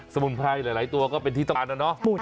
มุนไพรหลายตัวก็เป็นที่ต้องการนะเนาะ